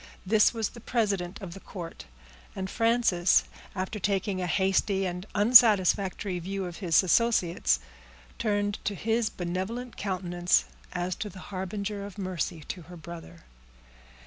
This was the president of the court; and Frances, after taking a hasty and unsatisfactory view of his associates, turned to his benevolent countenance as to the harbinger of mercy to her brother.